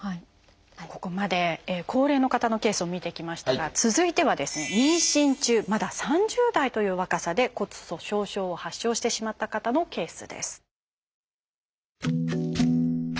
ここまで高齢の方のケースを見てきましたが続いてはですね妊娠中まだ３０代という若さで骨粗しょう症を発症してしまった方のケースです。